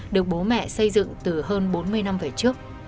được bố mẹ xây dựng từ hơn bốn mươi năm về trước